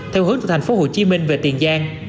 theo hướng từ tp hcm về tiền giang